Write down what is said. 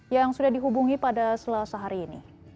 yang sudah dihubungi pada selasa hari ini